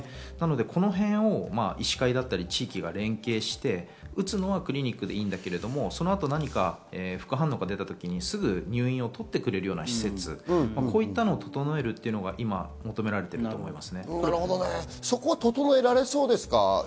このへんを医師会だったり地域が連携して、打つのはクリニックでいいけれど、そのあと副反応が出た時にすぐ入院を取ってくれるような施設、こういったものを整えるということが求められていると思います。